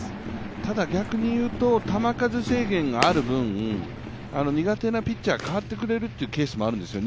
ただ、逆に言うと、球数制限がある分、苦手なピッチャー、代わってくれる可能性もあるんですよ。